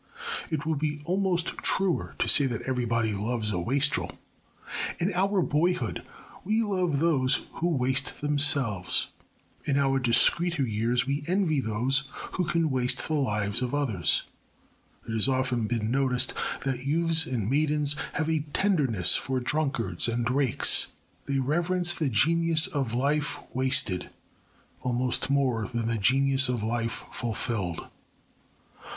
It would be almost truer to say that everybody loves a wastrel. In our boyhood we love those who waste themselves. In our discreeter years we envy those who can waste the lives of others. It has often been noticed that youths and maidens have a tenderness for drunkards and rakes. They reverence the genius of life wasted almost more than the genius of life fulfilled.